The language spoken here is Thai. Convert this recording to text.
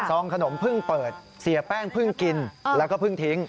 ขนมเพิ่งเปิดเสียแป้งเพิ่งกินแล้วก็เพิ่งทิ้ง